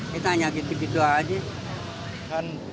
kita hanya gitu gitu aja